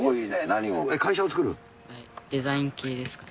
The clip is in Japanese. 何を、デザイン系ですか。